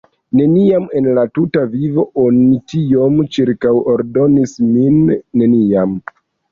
"Neniam en la tuta vivo oni tiom ĉirkaŭordonis min, neniam!"